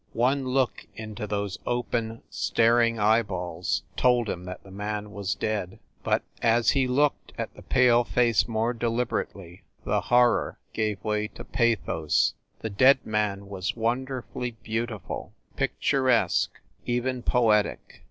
One look into those open, staring eyeballs told him that the man was dead. But, as he looked at the pale face more deliber ately, the horror gave way to pathos. The dead man was wonderfully beautiful, picturesque, even poetic.